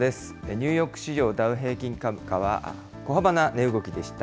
ニューヨーク市場ダウ平均株価は小幅な値動きでした。